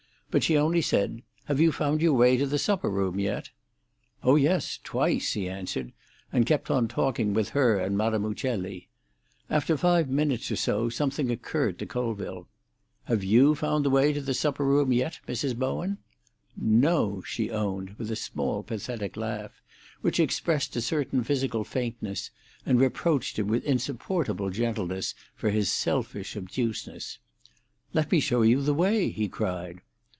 But she only said, "Have you found your way to the supper room yet?" "Oh yes; twice," he answered, and kept on talking with her and Madame Uccelli. After five minutes or so something occurred to Colville. "Have you found the way to the supper room yet, Mrs. Bowen?" "No!" she owned, with a small, pathetic laugh, which expressed a certain physical faintness, and reproached him with insupportable gentleness for his selfish obtuseness. "Let me show you the way," he cried.